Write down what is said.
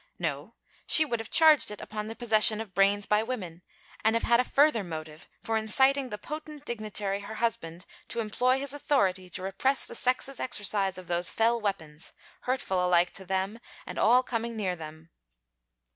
No, she would have charged it upon the possession of brains by women, and have had a further motive for inciting the potent dignitary her husband to employ his authority to repress the sex's exercise of those fell weapons, hurtful alike to them and all coming near them.